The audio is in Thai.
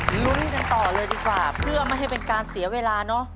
ลุ้นกันต่อเลยดีกว่าเพื่อไม่ให้เป็นการเสียเวลาเนอะ